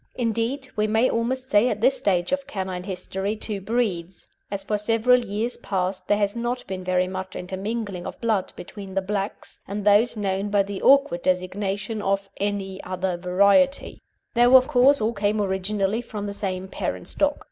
Indeed, we may almost say at this stage of canine history, two breeds, as for several years past there has not been very much intermingling of blood between the Blacks and those known by the awkward designation of "Any Other Variety," though, of course, all came originally from the same parent stock.